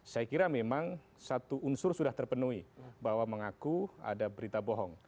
saya kira memang satu unsur sudah terpenuhi bahwa mengaku ada berita bohong